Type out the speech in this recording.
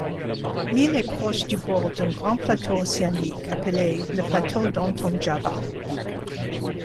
L'île est proche du bord d'un grand plateau océanique appelé le plateau d'Ontong-Java.